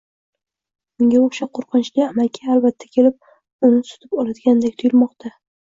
Unga o‘sha qo‘rqinchli amaki albatta kelib, uni tutib oladigandek tuyulmoqda.